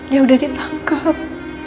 dia udah ditangkap